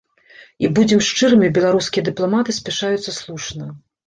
І, будзем шчырымі, беларускія дыпламаты спяшаюцца слушна.